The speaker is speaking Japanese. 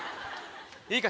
いいか？